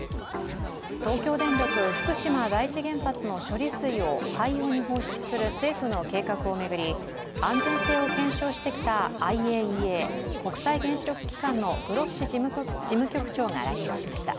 東京電力福島第一原発の処理水を海洋に放出する政府の計画を巡り、安全性を検証してきたＩＡＥＡ＝国際原子力機関のグロッシ事務局長が来日しました。